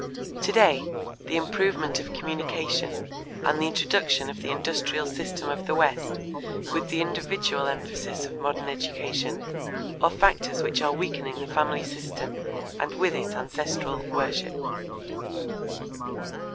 Today, the improvement of communication and the introduction of the industrial system of the West with the individual emphasis of modern education are factors which are weakening the family system and with it ancestral worship.